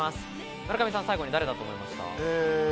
村上さん最後に誰だと思いました？